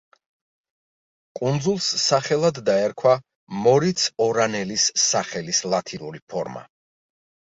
კუნძულს სახელად დაერქვა მორიც ორანელის სახელის ლათინური ფორმა.